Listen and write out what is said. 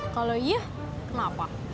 kalau iya kenapa